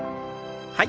はい。